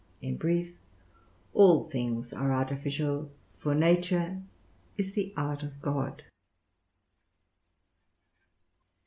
In brief, all things are artificial; for nature is the art of God.